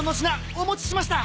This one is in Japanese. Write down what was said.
お持ちしました！